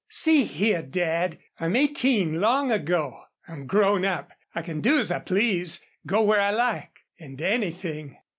... See here, Dad, I'm eighteen long ago. I'm grown up. I can do as I please, go where I like, and anything....